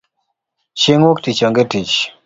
Chieng wuok tich onge tich